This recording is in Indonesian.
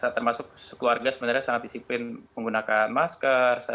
termasuk sekeluarga sebenarnya sangat disiplin menggunakan masker